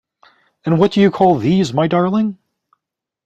And what do you call these, my darling?